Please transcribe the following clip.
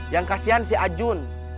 yang kasihan si ajun